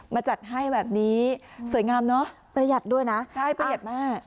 มาจัดให้แบบนี้สวยงามเนอะประหยัดด้วยนะใช่ประหยัดมาก